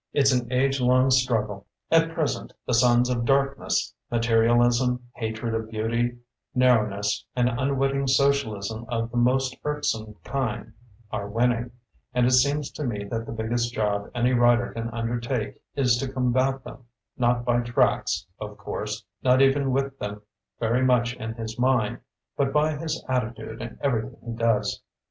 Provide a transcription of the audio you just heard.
It's an age long strug gle. At present, the sons of darkness — materialism, hatred of beauty, nar rowness, an unwitting socialism of the most irksome kind — ^are winning, and it seems to me that the biggest job any writer can undertake is to combat them, not by tracts, of course, not even with them very much in his mind, but by his attitude and everything he does.